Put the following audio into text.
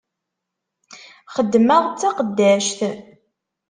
Xeddmeɣ d taqeddact.